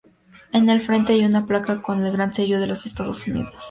En el frente hay una placa con el Gran Sello de los Estados Unidos.